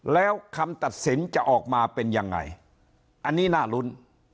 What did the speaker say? แล้วคำตัดสินจะออกมาเป็นยังไงอันนี้น่ารุ้น